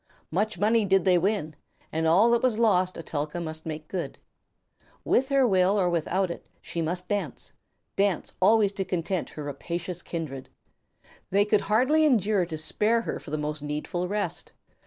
Much money did they win, and all that was lost Etelka must make good. With her will or without it, she must dance, dance always to content her rapacious kindred. They could hardly endure to spare her for the most needful rest.